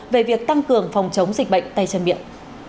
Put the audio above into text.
về việc tăng cường phòng chống dịch bệnh tay chân miệng